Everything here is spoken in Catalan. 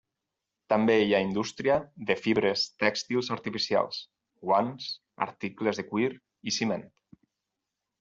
També hi ha indústria de fibres tèxtils artificials, guants, articles de cuir i ciment.